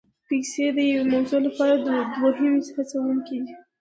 پیسې د یوې موضوع لپاره دوهمي هڅوونکي دي.